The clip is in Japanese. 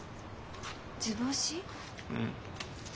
うん。